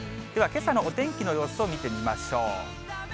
では、けさのお天気の様子を見てみましょう。